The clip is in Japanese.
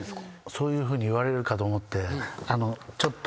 そういうふうに言われるかと思ってちょっと。